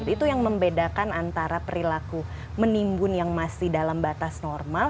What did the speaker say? itu yang membedakan antara perilaku menimbun yang masih dalam batas normal